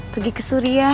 pergi ke suriah